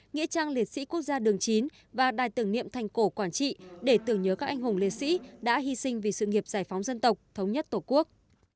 nghĩa trang liệt sĩ quốc gia đường chín và đài tưởng niệm thành cổ quảng trị để tưởng nhớ các anh hùng liệt sĩ đã hy sinh vì sự nghiệp giải phóng dân tộc thống nhất tổ quốc